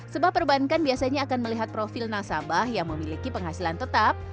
sebab perbankan biasanya akan melihat profil nasabah yang memiliki penghasilan tetap